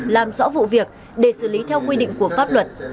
làm rõ vụ việc để xử lý theo quy định của pháp luật